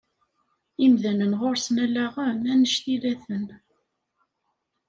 Imdanen ɣuṛ-sen allaɣen annect-ilaten.